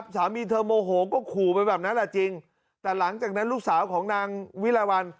สามีเธอโมโหก็ขู่ไปแบบนั้นแหละจริงแต่หลังจากนั้นลูกสาวของนางวิลาวัน